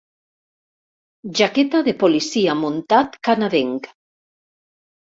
Jaqueta de policia muntat canadenc.